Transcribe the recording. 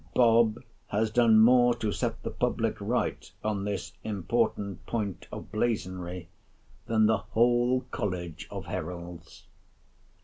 Bob has done more to set the public right on this important point of blazonry, than the whole College of Heralds.